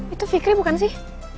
itu fikri bukan sih